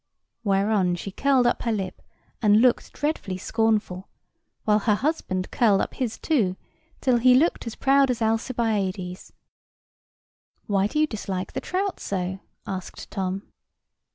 Whereon she curled up her lip, and looked dreadfully scornful, while her husband curled up his too, till he looked as proud as Alcibiades. "Why do you dislike the trout so?" asked Tom.